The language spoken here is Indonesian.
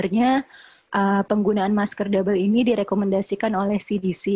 sebenarnya penggunaan masker double ini direkomendasikan oleh cdc